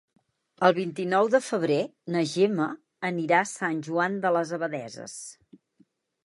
El vint-i-nou de febrer na Gemma anirà a Sant Joan de les Abadesses.